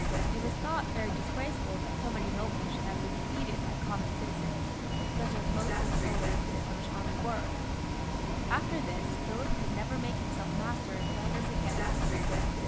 It was thought very disgraceful that so many nobles should have been defeated by common citizens, such as most of the soldiers in the Flemish army were. After this Philip could never make himself master in Flanders again.